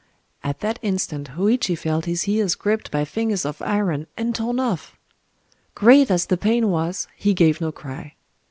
At that instant Hōïchi felt his ears gripped by fingers of iron, and torn off! Great as the pain was, he gave no cry.